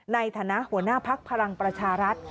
ในฐานะหัวหน้าภักดิ์พลังประชารัฐ